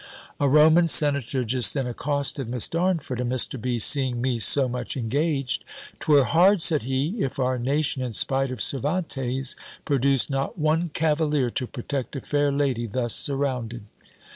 A Roman Senator just then accosted Miss Darnford; and Mr. B. seeing me so much engaged, "'Twere hard," said he, "if our nation, in spite of Cervantes, produced not one cavalier to protect a fair lady thus surrounded."